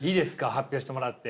発表してもらって。